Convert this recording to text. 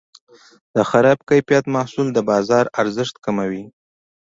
د خراب کیفیت محصول د بازار ارزښت کموي.